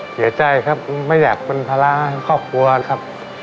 เสียใจครับไม่อยากเป็นภาระครอบครัวครับ